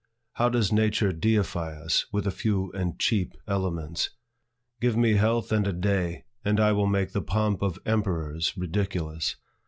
How does Nature deify us with a few and cheap elements! Give me health and a day, and I will make the pomp of emperors ridiculous.